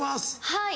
はい。